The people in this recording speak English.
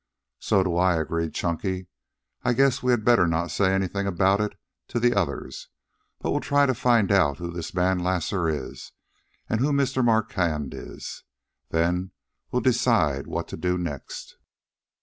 "So do I," agreed Chunky. "I guess we had better not say anything about it to the others, but we'll try to find out who this man Lasar is, and who Mr. Marquand is. Then we'll decide what to do next."